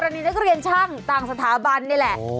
อันนี้นักเรียนช่างต่างสถาบันนี่แหละ